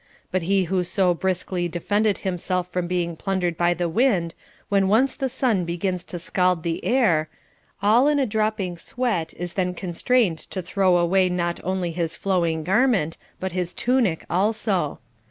But he who so brisklv defended himself from 490 CONJUGAL PRECEPTS. being plundered by the wind, when once the sun begins to scald the air, all in a dropping sweat is then constrained to throw away not only his flowing garment but his tunic also.